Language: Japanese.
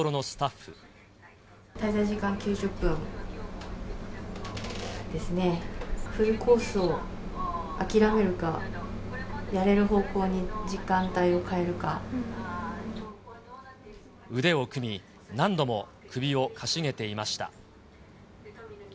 フルコースを諦めるか、腕を組み、何度も首をかしげていました。